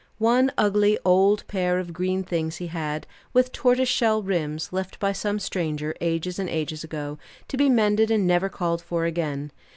One ugly, old pair of green things he had, with tortoise shell rims, left by some stranger, ages and ages ago, to be mended, and never called for again.